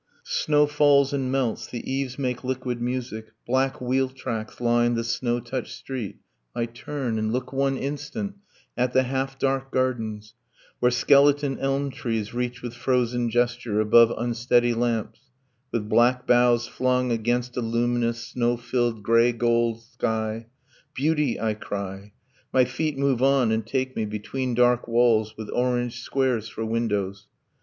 Snow falls and melts; the eaves make liquid music; Black wheel tracks line the snow touched street; I turn And look one instant at the half dark gardens, Where skeleton elm trees reach with frozen gesture Above unsteady lamps, with black boughs flung Against a luminous snow filled grey gold sky. 'Beauty!' I cry. ... My feet move on, and take me Between dark walls, with orange squares for windows.